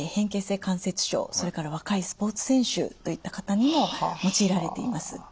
それから若いスポーツ選手といった方にも用いられています。